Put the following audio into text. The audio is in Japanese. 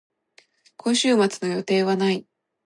今週末の予定はない。